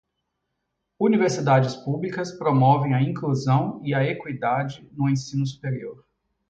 Universidades públicas promovem a inclusão e a equidade no ensino superior.